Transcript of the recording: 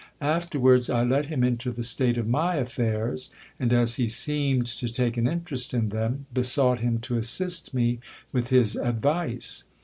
Afterwards I let him into the state of my affairs ; and, as he seemed to take an interest in them, besought him to assist me with his advice.